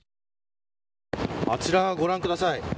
あちらご覧ください。